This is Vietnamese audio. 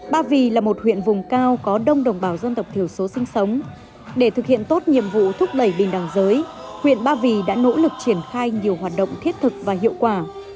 ba vì là một huyện vùng cao có đông đồng bào dân tộc thiểu số sinh sống để thực hiện tốt nhiệm vụ thúc đẩy bình đẳng giới huyện ba vì đã nỗ lực triển khai nhiều hoạt động thiết thực và hiệu quả